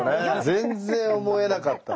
全然思えなかった。